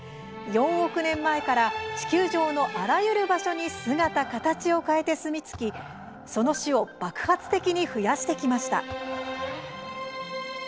４億年前から地球上のあらゆる場所に姿形を変えてすみつきその種を爆発的に増やしてきました。